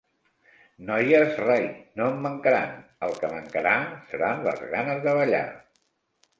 Noies rai, no en mancaran: el que mancarà seran les ganes de ballar.